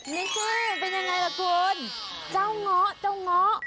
ไม่ใช่เป็นยังไงล่ะคุณเจ้าเงาะเจ้าเงาะ